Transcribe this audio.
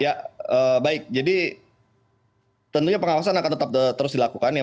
ya baik jadi tentunya pengawasan akan tetap terus dilakukan ya